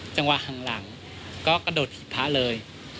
จังหวะข้างหลังก็กระโดดหีบพระเลย